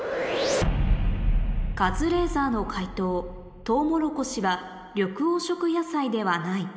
カズレーザーの解答「トウモロコシは緑黄色野菜ではない」